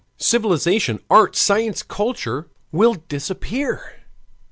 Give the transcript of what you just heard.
"Civilization, art, science, culture, will disappear!"